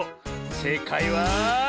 せいかいは。